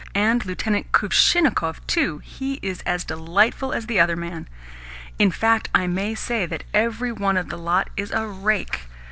And Lieutenant Kuvshinnikov, too! He is as delightful as the other man. In fact, I may say that every one of the lot is a rake.